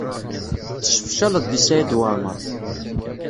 Tessefcaleḍ deg Saɛid Waɛmaṛ.